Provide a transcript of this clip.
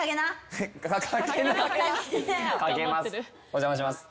お邪魔します。